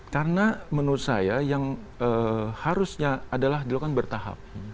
karena menurut saya yang harusnya adalah dilakukan bertahap